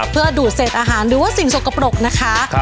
เพื่อดูดเศษอาหารหรือว่าสิ่งสกปรกนะคะ